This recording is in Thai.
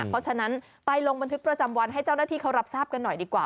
เพราะฉะนั้นไปลงบันทึกประจำวันให้เจ้าหน้าที่เขารับทราบกันหน่อยดีกว่า